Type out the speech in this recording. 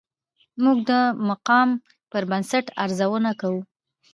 موږ د مقام پر بنسټ ارزونه کوو.